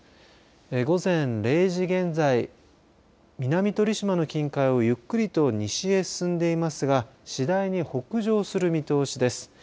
午前０時現在、南鳥島の近海をゆっくりと西へ進んでいますが次第に北上する見通しです。